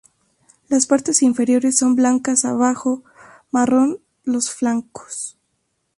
Las partes inferiores son blancas abajo, marrón los flancos.